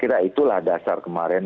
kira itulah dasar kemarin